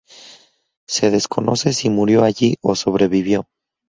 Se desconoce si murió allí o sobrevivió.